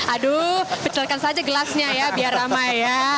aduh pecelkan saja gelasnya ya biar ramai ya